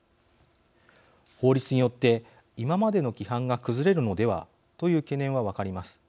法律によって今までの規範が崩れるのではという懸念は分かります。